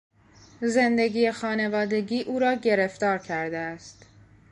زندگی خانوادگی او را گرفتار کرده است.